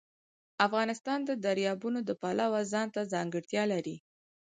افغانستان د دریابونه د پلوه ځانته ځانګړتیا لري.